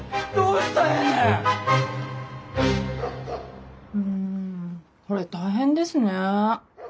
うんそれ大変ですね。